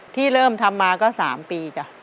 ที่เริ่มทำมาก็๓ปีจ้ะ